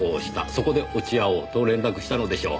そこで落ち合おうと連絡したのでしょう。